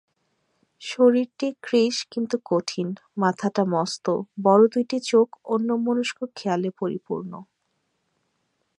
শরীরটি কৃশ কিন্তু কঠিন, মাথাটা মস্ত, বড়ো দুইটি চোখ অন্যমনস্ক খেয়ালে পরিপূর্ণ।